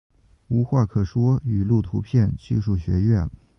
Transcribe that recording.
无话可说语录图片技术学院